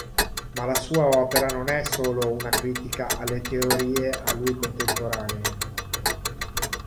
Ma la sua opera non è solo una critica alle teorie a lui contemporanee.